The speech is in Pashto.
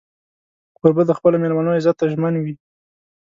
کوربه د خپلو مېلمنو عزت ته ژمن وي.